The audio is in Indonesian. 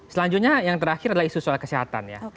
selanjutnya yang terakhir adalah isu soal kesehatan ya